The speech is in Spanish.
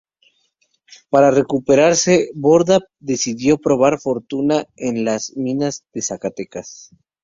Para recuperarse, Borda decidió probar fortuna en las minas de Zacatecas.